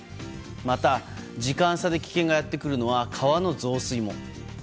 また、時間差で危険がやってくるのは川の増水も。